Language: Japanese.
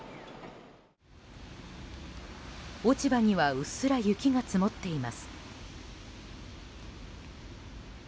落ち葉にはうっすら雪が積もっています。